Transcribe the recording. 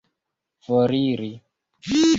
foriri